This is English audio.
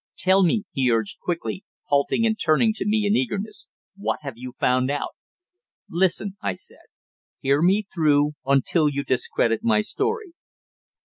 "Tell me," he urged quickly, halting and turning to me in eagerness. "What have you found out?" "Listen!" I said. "Hear me through, until you discredit my story."